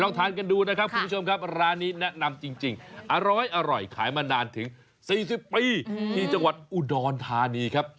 ทานกันดูนะครับคุณผู้ชมครับร้านนี้แนะนำจริงอร้อยขายมานานถึง๔๐ปีที่จังหวัดอุดรธานีครับ